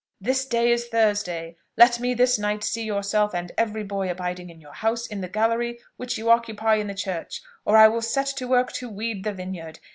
This day is Thursday; let me this night see yourself, and every boy abiding in your house, in the gallery which you occupy in the church, or I will set to work to weed the vineyard.